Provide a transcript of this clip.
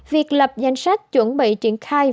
việc lập danh sách chuẩn bị triển khai